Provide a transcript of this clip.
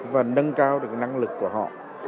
và nâng cao được năng lực của họ